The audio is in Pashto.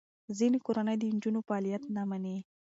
ځینې کورنۍ د نجونو فعالیت نه مني.